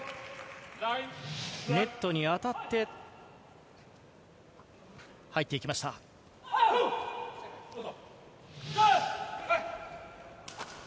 ネットに当たって入っていきました。